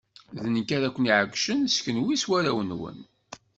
D nekk ara ken-iɛeggcen, s kenwi s warraw-nwen.